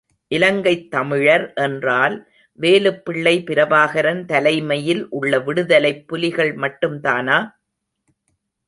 இலங்கைத் தமிழர் என்றால் வேலுப் பிள்ளை பிரபாகரன் தலைமையில் உள்ள விடுதலைப் புலிகள் மட்டும்தானா?